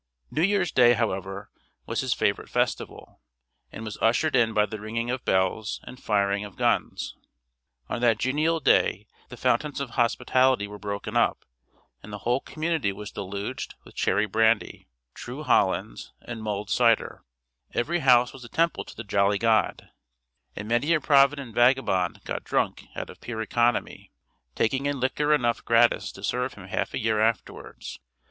New Year's Day, however, was his favorite festival, and was ushered in by the ringing of bells and firing of guns. On that genial day the fountains of hospitality were broken up, and the whole community was deluged with cherry brandy, true hollands, and mulled cider; every house was a temple to the jolly god; and many a provident vagabond got drunk out of pure economy, taking in liquor enough gratis to serve him half a year afterwards.